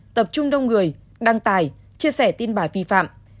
tập trung đông người đăng tài chia sẻ tin bài vi phạm